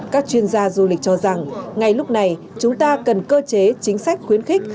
các chuyên gia du lịch cho rằng ngay lúc này chúng ta cần cơ chế chính sách khuyến khích